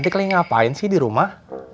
ini si cantik lo ngapain sih di rumah